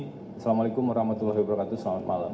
assalamualaikum warahmatullahi wabarakatuh selamat malam